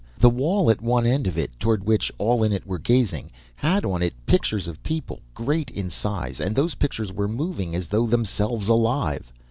The wall at one end of it, toward which all in it were gazing, had on it pictures of people, great in size, and those pictures were moving as though themselves alive!